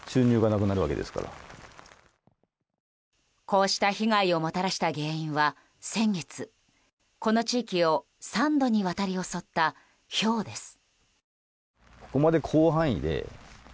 こうした被害をもたらした原因は先月、この地域を３度にわたり襲ったひょうです。